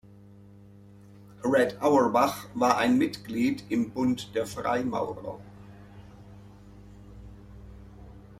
Red Auerbach war ein Mitglied im Bund der Freimaurer.